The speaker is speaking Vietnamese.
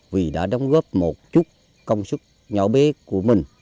vì đã đóng góp một chút công sức nhỏ bé của mình